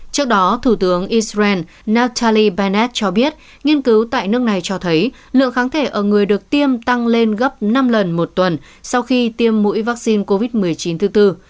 trước đó thủ tướng israel nataly benet cho biết nghiên cứu tại nước này cho thấy lượng kháng thể ở người được tiêm tăng lên gấp năm lần một tuần sau khi tiêm mũi vaccine covid một mươi chín thứ tư